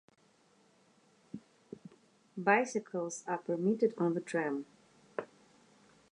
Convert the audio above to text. Bicycles are permitted on the tram.